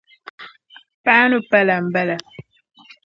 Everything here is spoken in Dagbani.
Paanu palli n bala.